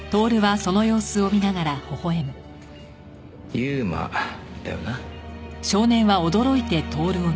悠馬だよな？